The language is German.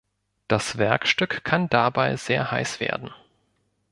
Das Werkstück kann dabei sehr heiß werden.